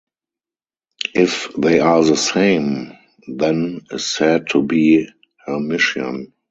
If they are the same then is said to be "Hermitian".